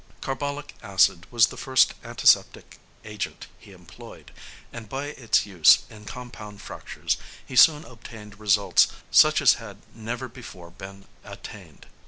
Carbolic acid was the first antiseptic agent he employed, and by its use in compound fractures he soon obtained results such as had never before been attained.